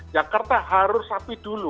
jakarta harus rapi dulu